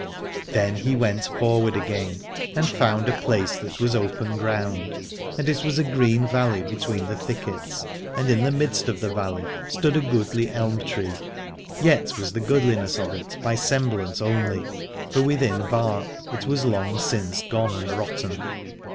Then he went forward again and found a place that was open ground : and it was a green valley between the thickets, and in the midst of the valley stood a goodly elm tree. Yet was the goodliness of it by semblance only, for within bark it was long since gone and rotten.